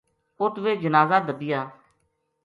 اُت ویہ جنازہ دَبیا